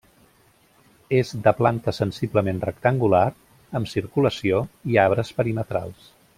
És de planta sensiblement rectangular, amb circulació i arbres perimetrals.